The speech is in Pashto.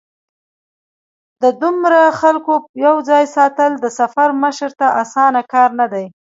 د دومره خلکو یو ځای ساتل د سفر مشر ته اسانه کار نه دی.